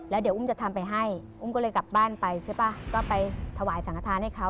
เดี๋ยวอุ้มจะทำไปให้อุ้มก็เลยกลับบ้านไปใช่ป่ะก็ไปถวายสังขทานให้เขา